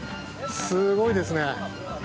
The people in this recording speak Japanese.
すごいですね。